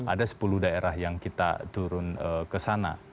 ada sepuluh daerah yang kita turun ke sana